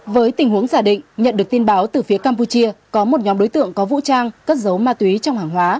với tình huống giả định nhận được tin báo từ phía campuchia có một nhóm đối tượng có vũ trang cất giấu ma túy trong hàng hóa